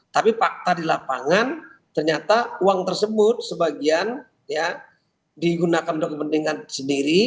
tapi fakta di lapangan ternyata uang tersebut sebagian digunakan untuk kepentingan sendiri